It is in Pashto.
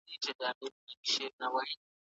د فارابي په نظر مشر بايد عادل وي.